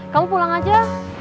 kamu pulang aja